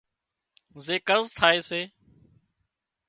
زي قرض ٿائي سي